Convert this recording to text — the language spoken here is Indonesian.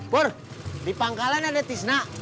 pur di pangkalan ada tisna